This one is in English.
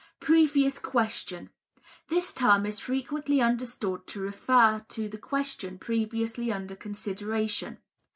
Previous Question—This term is frequently understood to refer to the question previously under consideration.